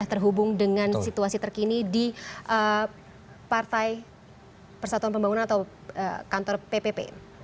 terhubung dengan situasi terkini di partai persatuan pembangunan atau kantor ppp